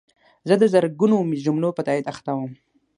زه د زرګونو جملو په تایید اخته وم.